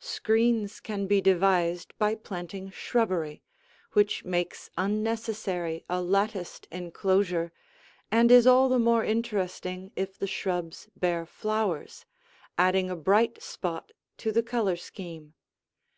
Screens can be devised by planting shrubbery, which makes unnecessary a latticed enclosure and is all the more interesting if the shrubs bear flowers, adding a bright spot to the color scheme.